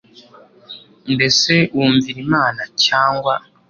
Mbese wumvira Imana cyangwa